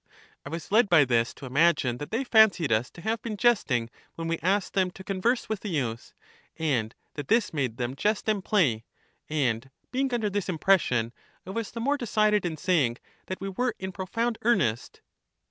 (I was led by this to imagine that they fancied us to have been jesting when we asked them to converse with the youth, and that this made them jest and play, and being under this impression, I was the more de cided in saying that we were in profound earnest.)